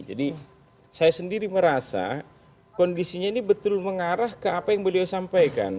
jadi saya sendiri merasa kondisinya ini betul mengarah ke apa yang beliau sampaikan